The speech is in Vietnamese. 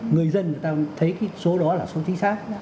người dân người ta thấy cái số đó là số chính xác